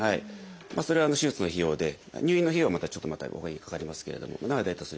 それは手術の費用で入院の費用はちょっとまたほかにかかりますけれども今は大体それぐらい。